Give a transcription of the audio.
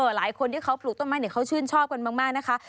หลายคนที่เขาปลูกต้นไม้เขาชื่นชอบกันมากนะคะ